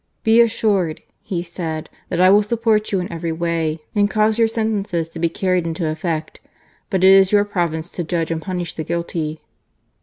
" Be assured," he said, " that I will support you in every way and cause your sentences to be carried into effect ; but it is your province to judge and punish the guilty."